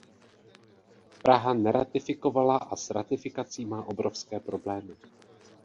Praha neratifikovala a s ratifikací má obrovské problémy.